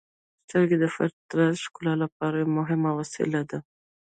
• سترګې د فطرت ښکلا لپاره یوه مهمه وسیله ده.